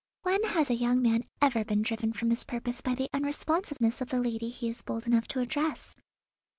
When has a young man ever been driven from his purpose by the unresponsiveness of the lady he is bold enough to address?